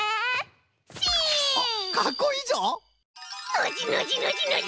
ノジノジノジノジ！